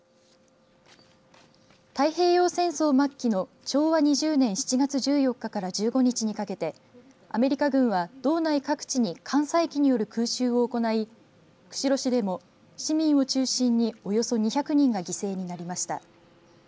太平洋戦争末期の昭和２０年７月１４日から１５日にかけてアメリカ軍は道内各地に艦載機による空襲を行い釧路市でも市民を中心におよそ２００人が犠牲になりました。